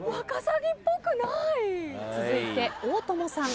続いて大友さん。